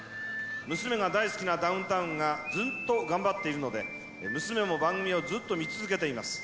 娘が大好きなダウンタウンがずっと頑張っているので、娘も番組をずっと見続けています。